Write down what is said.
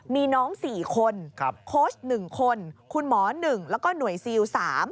มีน้อง๔คนโค้ช๑คนคุณหมอ๑แล้วก็หน่วยซิล๓